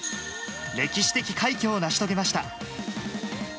歴史的快挙を成し遂げました。